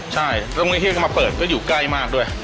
ใช่แล้วตรงนี้ที่จะมาเปิดก็อยู่ใกล้มากด้วย